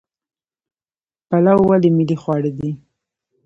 پلاو ولې ملي خواړه دي؟